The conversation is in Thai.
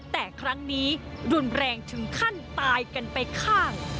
แต่ครั้งนี้รุนแรงถึงขั้นตายกันไปข้าง